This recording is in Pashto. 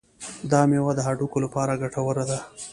دا میوه د هډوکو لپاره ګټوره ده.